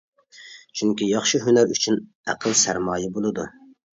چۈنكى، ياخشى ھۈنەر ئۈچۈن ئەقىل سەرمايە بولىدۇ.